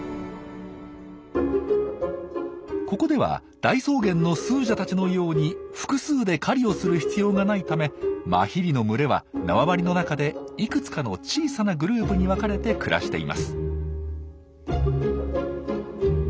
ここでは大草原のスージャたちのように複数で狩りをする必要がないためマヒリの群れは縄張りの中でいくつかの小さなグループに分かれて暮らしています。